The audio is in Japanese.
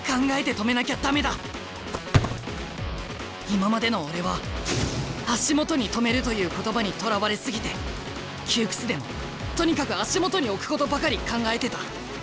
今までの俺は足元に止めるという言葉にとらわれ過ぎて窮屈でもとにかく足元に置くことばかり考えてた。